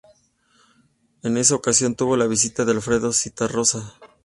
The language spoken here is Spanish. En esa ocasión tuvo la visita de Alfredo Zitarrosa.